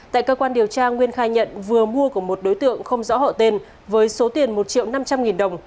tại cơ quan điều tra nguyên khai nhận vừa mua của một đối tượng không rõ hậu tên với số tiền một triệu năm trăm linh nghìn đồng